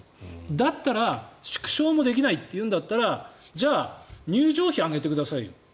だったら縮小もできないというんだったらじゃあ入場費、上げてくださいよ。